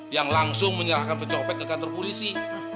yang langsung menyerahkan pencopet ke kantor polisi